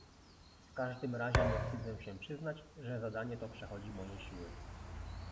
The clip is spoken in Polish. "W każdym razie nie wstydzę się przyznać, że zadanie to przechodzi moje siły."